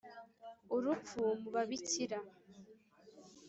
urupfu mu babikira